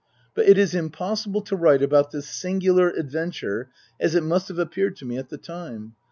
But it is impossible to write about this singular adventure as it must have appeared to me at the time.